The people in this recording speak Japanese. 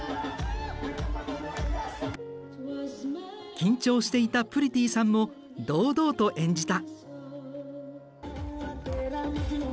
緊張していたプリティさんも堂々と演じた。